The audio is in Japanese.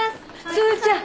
すずちゃん。